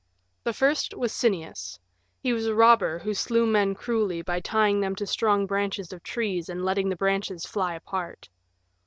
The first was Sinnias. He was a robber who slew men cruelly by tying them to strong branches of trees and letting the branches fly apart.